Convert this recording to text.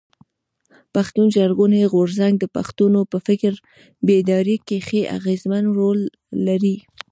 پښتون ژغورني غورځنګ د پښتنو په فکري بيداري کښي اغېزمن رول لري.